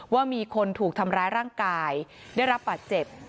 ว่ามีคนถูกทำร้ายร่างกายได้รับบาดเจ็บ